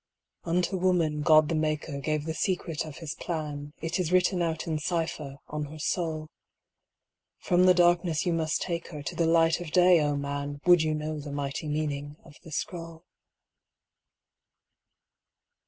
Unto woman, God the Maker Gave the secret of His plan; It is written out in cipher, on her soul; From the darkness, you must take her, To the light of day, O man! Would you know the mighty meaning of the scroll.